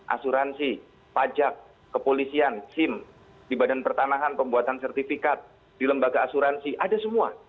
asuransi pajak kepolisian sim di badan pertanahan pembuatan sertifikat di lembaga asuransi ada semua